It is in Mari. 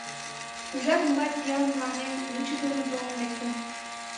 Ужат, могай пиал мыланем вучыдымын толын лектын.